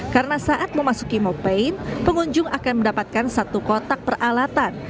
karena saat memasuki mopane pengunjung akan mendapatkan satu kotak peralatan